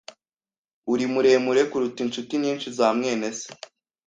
Uri muremure kuruta inshuti nyinshi za mwene se.